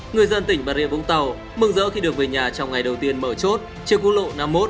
người dân tỉnh bà rịa vũng tàu mừng dỡ khi được về nhà trong ngày đầu tiên mở chốt trên quốc lộ năm mươi một